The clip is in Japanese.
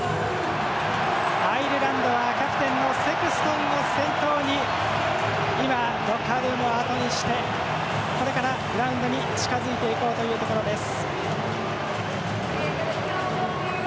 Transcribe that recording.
アイルランドはキャプテンのセクストンを先頭に今、ロッカールームをあとにしてこれから、グラウンドに近づいていこうというところです。